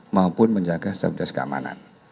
maupun menjaga stabilitas keamanan